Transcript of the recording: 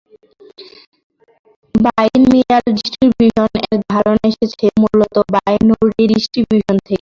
Binomial distribution এর ধারনা এসেছে মূলত বারনৌলি ডিস্ট্রিবিউশন থেকেই।